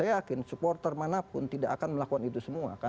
saya yakin supporter manapun tidak akan melakukan itu semua